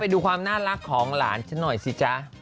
ดูความน่ารักของหลานฉันหน่อยสิจ๊ะ